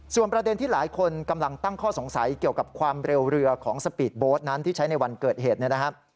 ส่วนประเด็นที่หลายคนกำลังตั้งข้อสงสัยเกี่ยวกับความเร็วเรือของสปีดโบสต์นั้นที่ใช้ในวันเกิดเหตุเนี่ยนะครับ